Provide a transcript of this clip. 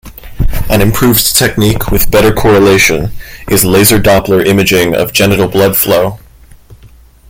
An improved technique with better correlation is Laser Doppler imaging of genital blood flow.